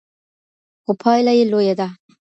خو پایله یې لویه ده.